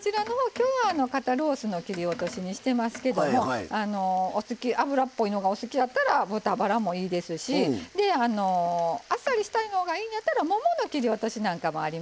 今日は肩ロースの切り落としにしてますけども脂っぽいのがお好きやったら豚バラもいいですしであっさりした方がいいんやったらももの切り落としなんかもありますよね。